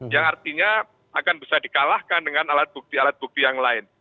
yang artinya akan bisa dikalahkan dengan alat bukti alat bukti yang lain